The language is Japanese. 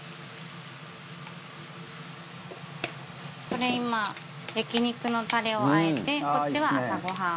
これ今焼肉のタレを和えてこっちは朝ごはん。